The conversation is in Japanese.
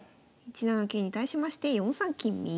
１七桂に対しまして４三金右。